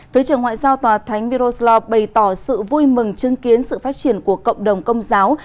thứ trưởng ngoại giao tòa thánh miroslav bày tỏ sự vui mừng chứng kiến sự phát triển của cộng đồng công giáo